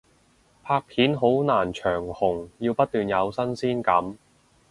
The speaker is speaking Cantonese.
拍片好難長紅，要不斷有新鮮感